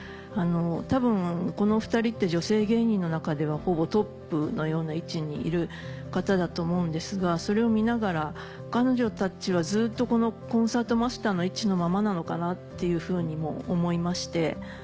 多分この２人って女性芸人の中ではほぼトップのような位置にいる方だと思うんですがそれを見ながら彼女たちはずっとこのコンサートマスターの位置のままなのかなっていうふうにも思いまして。